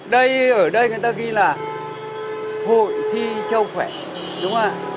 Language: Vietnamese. đây ở đây người ta ghi là hội thi châu khỏe đúng không ạ